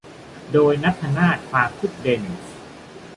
โดย ณัฐนาถ ฟาคุนเด๊ซ